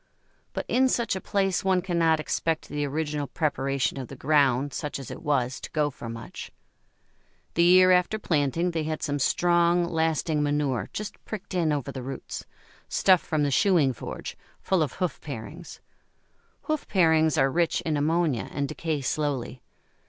But in such a place one cannot expect the original preparation of the ground, such as it was, to go for much. The year after planting they had some strong, lasting manure just pricked in over the roots stuff from the shoeing forge, full of hoof parings. Hoof parings are rich in ammonia, and decay slowly.